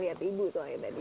lihat ibu itu aja tadi